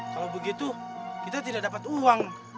kalau begitu kita tidak dapat uang